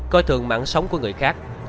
coi thường mạng sống của người khác